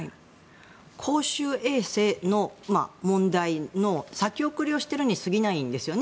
公衆衛生の問題の先送りをしているに過ぎないんですよね